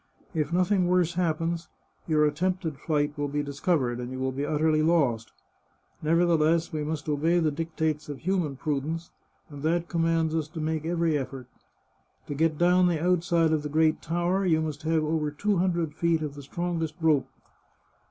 If nothing worse happens, your attempted flight will be discovered, and you will be utterly lost. Nev ertheless we must obey the dictates of human prudence, and that commands us to make every eflFort, To get down the outside of the great tower you must have over two hundred feet of the strongest rope.